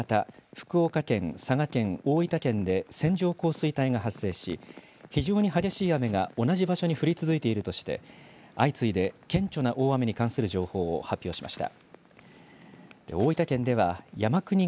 気象庁はきょう明け方、福岡県、佐賀県、大分県で線状降水帯が発生し、非常に激しい雨が同じ場所に降り続いているとして、相次いで顕著な大雨に関する情報を発表しました。